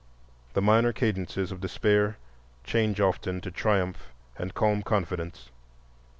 The minor cadences of despair change often to triumph and calm confidence.